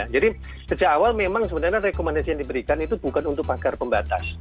jadi sejak awal memang sebenarnya rekomendasi yang diberikan itu bukan untuk pagar pembatas